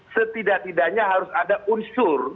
setidak tidaknya harus ada unsur